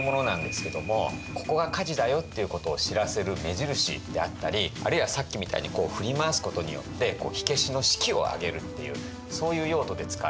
「ここが火事だよ」っていうことを知らせる目印であったりあるいはさっきみたいにこう振り回すことによって火消しの士気をあげるっていうそういう用途で使われたものなんです。